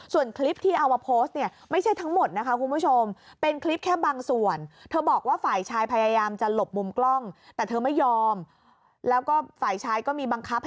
ส่วนคลิปที่เอามาโพสต์เนี่ยไม่ใช่ทั้งหมดนะคะคุณผู้ชม